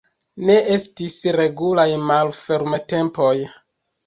Ne estis regulaj malfermtempoj.